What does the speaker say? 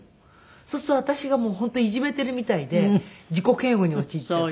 そうすると私が本当いじめているみたいで自己嫌悪に陥っちゃって。